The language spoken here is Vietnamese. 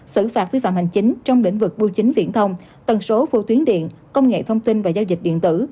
xử phạt vi phạm hành chính trong lĩnh vực bưu chính viễn thông tần số vô tuyến điện công nghệ thông tin và giao dịch điện tử